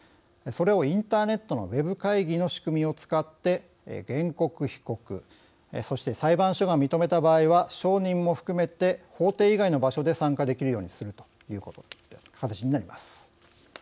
それをインターネットのウェブ会議の仕組みを使って原告・被告そして、裁判所が認めた場合は証人も含めて法廷以外の場所で参加できるようにするという形になります。